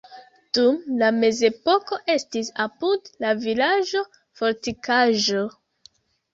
Dum la mezepoko estis apud la vilaĝo fortikaĵo.